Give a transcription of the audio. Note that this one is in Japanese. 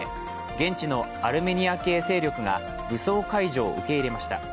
現地のアルメニア系勢力が武装解除を受け入れました。